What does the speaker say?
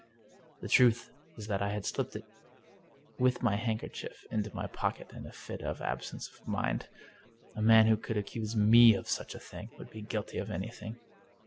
The truth is that I had slipped it with my hand kerchief into my pocket in a fit of absence of mind. A man who could accuse me of such a thing would be guilty of anything.